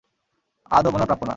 আদব ওনার প্রাপ্য না।